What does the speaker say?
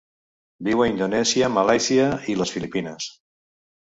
Viu a Indonèsia, Malàisia i les Filipines.